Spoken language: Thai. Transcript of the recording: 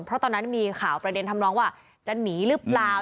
เพราะตอนนั้นมีข่าวประเด็นทำน้องว่าจะหนีหรือเปล่า